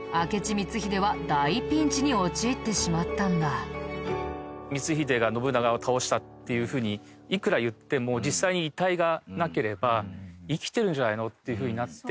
こうして「光秀が信長を倒した」っていうふうにいくら言っても実際に遺体がなければ生きてるんじゃないの？っていうふうになって。